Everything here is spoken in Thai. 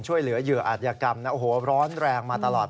ช่วยเหลือเหยื่ออาธิกรรมร้อนแรงมาตลอด